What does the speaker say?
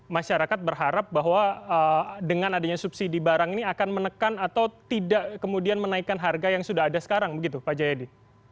masyarakat berharap bahwa dengan adanya subsidi barang ini akan menekan atau tidak kemudian menaikkan harga yang sudah ada sekarang begitu pak jayadi